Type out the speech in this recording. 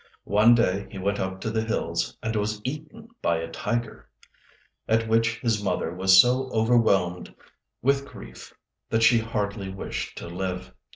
One day he went up to the hills and was eaten by a tiger, at which his mother was so overwhelmed with grief that she hardly wished to live.